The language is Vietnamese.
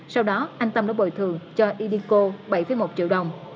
sau đó anh tâm đã bồi thường cho indico bảy một triệu đồng